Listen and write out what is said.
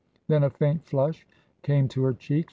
Then a faint flush came to her cheeks.